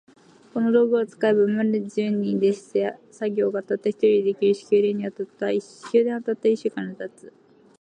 この道具を使えば、今まで十人でした仕事が、たった一人で出来上るし、宮殿はたった一週間で建つ。それに一度建てたら、もう修繕することが要らない。